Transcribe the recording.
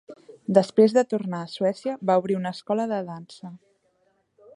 Després de tornar a Suècia, va obrir una escola de dansa.